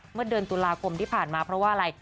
เมื่อเดือนตุลาคมที่ผ่านมาเพราะว่าอะไร